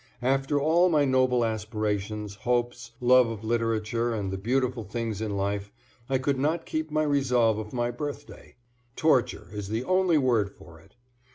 After all my noble aspirations, hopes, love of literature, and the beautiful things in life, I could not keep my resolve of my birthday. Torture is the only word for it.